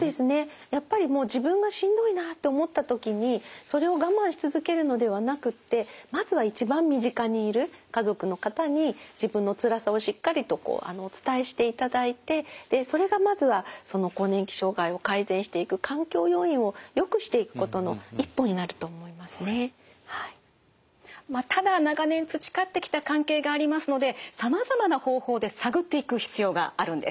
やっぱりもう自分がしんどいなって思った時にそれを我慢し続けるのではなくってまずは一番身近にいる家族の方に自分のつらさをしっかりとお伝えしていただいてそれがまずは更年期障害を改善していくただ長年培ってきた関係がありますのでさまざまな方法で探っていく必要があるんです。